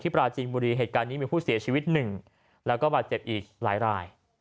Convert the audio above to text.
ปราจีนบุรีเหตุการณ์นี้มีผู้เสียชีวิตหนึ่งแล้วก็บาดเจ็บอีกหลายราย